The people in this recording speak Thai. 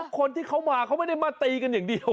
คนที่เขามาเขาไม่ได้มาตีกันอย่างเดียว